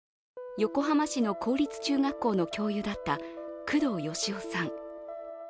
横浜市の公立中学校の教諭だった工藤義男さん。